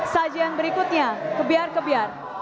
sajian berikutnya kebiar kebiar